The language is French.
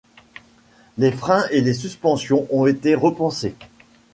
Les freins et les suspensions ont été repensées.